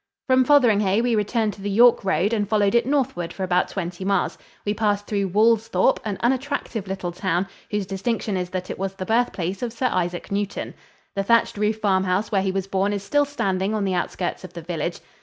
From Fotheringhay we returned to the York road and followed it northward for about twenty miles. We passed through Woolsthorpe, an unattractive little town whose distinction is that it was the birthplace of Sir Isaac Newton. The thatched roof farmhouse where he was born is still standing on the outskirts of the village.